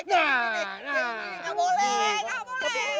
gini gini gak boleh gak boleh